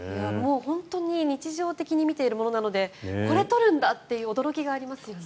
本当に日常的に見ているものなのでこれ撮るんだという驚きがありますよね。